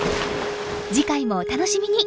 次回もお楽しみに！